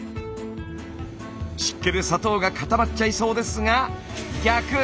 湿気で砂糖が固まっちゃいそうですが逆。